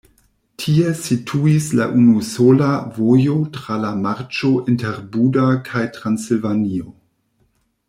Tie situis la unusola vojo tra la marĉo inter Buda kaj Transilvanio.